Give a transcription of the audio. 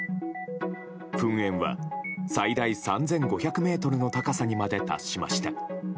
噴煙は最大３５００ｍの高さにまで達しました。